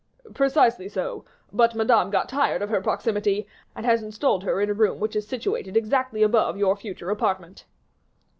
"Precisely so; but Madame got tired of her proximity, and has installed her in a room which is situated exactly above your future apartment."